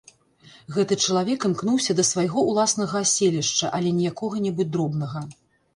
Гэты чалавек імкнуўся да свайго ўласнага аселішча, але не якога-небудзь дробнага.